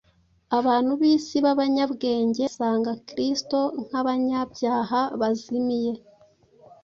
Abantu b’isi b’abanyabwenge basanga Kristo nk’abanyabyaha bazimiye,